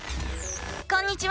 こんにちは！